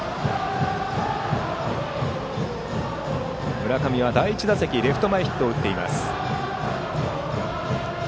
村上は第１打席レフト前ヒットを打っています。